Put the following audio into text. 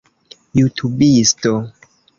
jutubisto